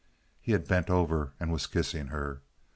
(He had bent over and was kissing her).